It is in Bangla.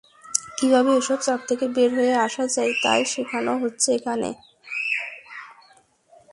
কীভাবে এসব চাপ থেকে বের হয়ে আসা যায়, তা-ই শেখানো হচ্ছে এখানে।